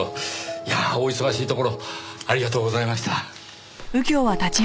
いやあお忙しいところありがとうございました。